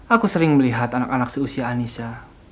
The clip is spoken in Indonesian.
aku sering melihat anak anak seusia anissa